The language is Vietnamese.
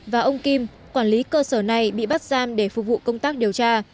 và ông kim quản lý cơ sở này bị bắt giam để phục vụ công tác điều tra